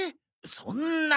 そんな。